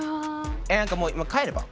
何かもう「帰れば？」